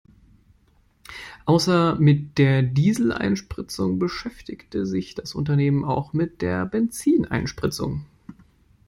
Außer mit der Diesel-Einspritzung beschäftigte sich das Unternehmen auch mit der Benzin-Einspritzung.